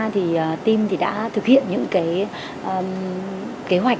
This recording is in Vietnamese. thì team đã thực hiện những kế hoạch